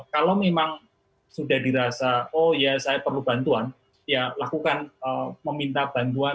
kalau memang sudah dirasa oh ya saya perlu bantuan ya lakukan meminta bantuan